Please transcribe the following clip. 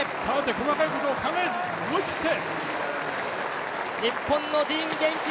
細かいことは考えず思い切って。